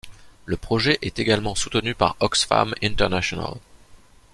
Le projet est également soutenu par Oxfam International.